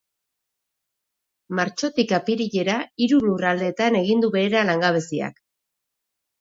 Martxotik apirilera hiru lurraldeetan egin du behera langabeziak.